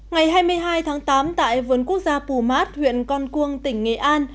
ngày hai mươi hai tháng tám tại vườn quốc gia pumat huyện con cuông tỉnh nghệ an